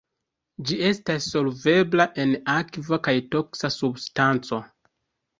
Ĝi estas solvebla en akvo kaj toksa substanco.